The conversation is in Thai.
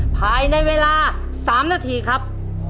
ภายในเวลา๓นาทีครับ